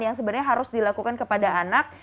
yang sebenarnya harus dilakukan kepada anak